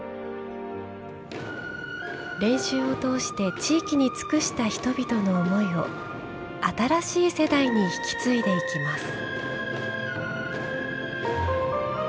練習を通して地域に尽くした人々の思いを新しい世代に引き継いでいきます。